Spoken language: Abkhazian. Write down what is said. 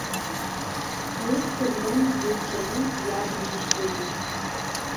Уи ҵхыбжьон згәы зҽаным иаб дишьуеит.